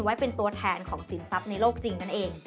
ไว้เป็นตัวแทนของสินทรัพย์ในโลกจริงนั่นเอง